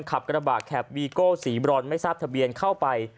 ขับกระบะแข็บวีโก้สีบรอนไม่ทราบทะเบียนเข้าไป